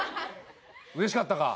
うれしかったか？